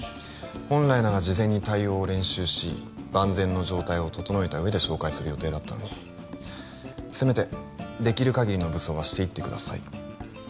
本来なら事前に対応を練習し万全の状態を整えた上で紹介する予定だったのにせめてできる限りの武装はしていってください